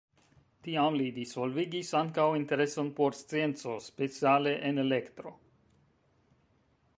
Tiam li disvolvigis ankaŭ intereson por scienco, speciale en elektro.